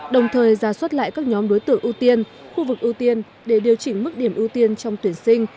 đồng thời ra soát lại các nhóm đối tượng ưu tiên khu vực ưu tiên để điều chỉnh mức điểm ưu tiên trong tuyển sinh